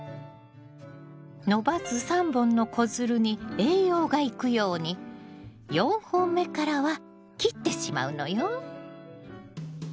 伸ばす３本の子づるに栄養が行くように４本目からは切ってしまうのよ。